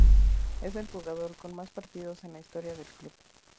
Es el jugador con más partidos en la historia del club.